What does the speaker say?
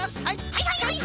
はいはいはい！